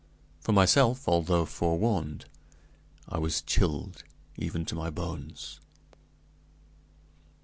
For myself, although forewarned, I was chilled even to my bones.